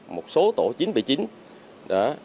một số tổ chín trăm một mươi chín